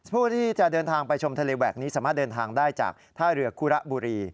ผู้ที่จะเดินทางไปชมทะเลแหวกนี้สามารถเดินทางได้จากท่าเรือคุระบุรี